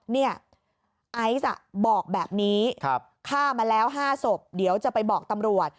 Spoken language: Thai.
ไอซ์บอกแบบนี้ฆ่ามาแล้ว๕ศพเดี๋ยวจะไปบอกตำรวจ